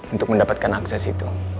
untuk mendapatkan akses itu